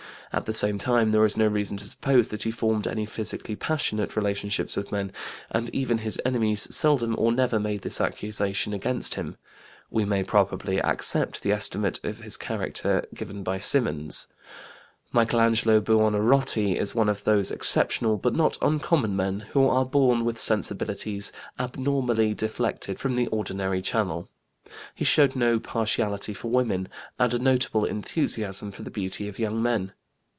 At the same time there is no reason to suppose that he formed any physically passionate relationships with men, and even his enemies seldom or never made this accusation against him. We may probably accept the estimate of his character given by Symonds: Michelangelo Buonarotti was one of those exceptional, but not uncommon men who are born with sensibilities abnormally deflected from the ordinary channel. He showed no partiality for women, and a notable enthusiasm for the beauty of young men....